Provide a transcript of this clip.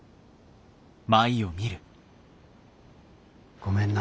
ごめんな。